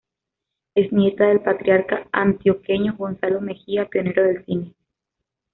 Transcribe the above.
Es nieta del patriarca antioqueño Gonzalo Mejía, pionero del cine.